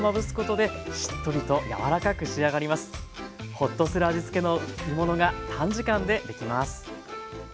ほっとする味付けの煮物が短時間でできます。